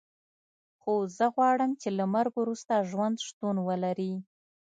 خو زه غواړم چې له مرګ وروسته ژوند شتون ولري